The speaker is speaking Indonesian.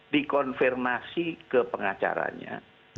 dikonfirmasi ke pengacaranya